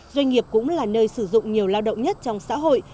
doanh nghiệp cũng là nơi sử dụng nhiều lao động nhất trong xã hội